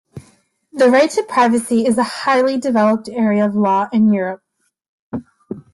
The right to privacy is a highly developed area of law in Europe.